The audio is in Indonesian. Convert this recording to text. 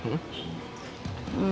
main ke rumah